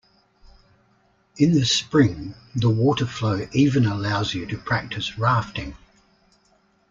In the spring the water flow even allows you to practice rafting.